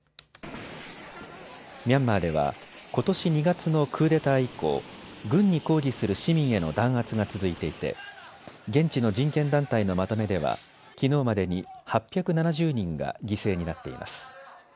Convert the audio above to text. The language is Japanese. ミャンマーではことし２月のクーデター以降、軍に抗議する市民への弾圧が続いていて現地の人権団体のまとめではきのうまでに８７０人が犠牲になっています。